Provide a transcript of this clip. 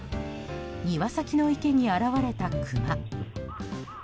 庭先の池に現れたクマ。